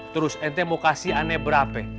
terus ane mau kasih ane berapa